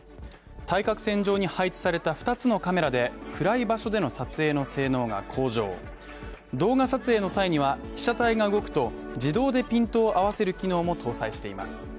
対角線上に配置された２つのカメラで暗い場所での撮影の性能が向上動画撮影の際には被写体が動くと自動でピントを合わせる機能も搭載しています